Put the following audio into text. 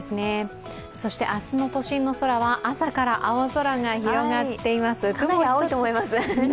そして明日の都心の空は朝から青空が広がっています。